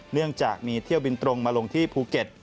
เนื่องจากมีเที่ยวบินตรงมาลงที่ภูเก็ต